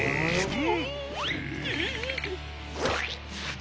うん？